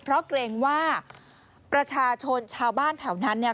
เพราะเกรงว่าประชาชนชาวบ้านแถวนั้นเนี่ย